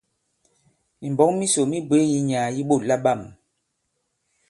Mìmbɔ̌k misò mi bwě yi nyàà yi ɓôt labâm.